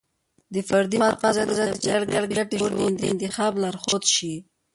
د فردي مفاد پر ځای د چاپیریال ګټې شعور د انتخاب لارښود شي.